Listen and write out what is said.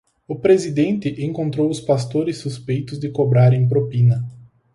O presidente encontrou os pastores suspeitos de cobrarem propina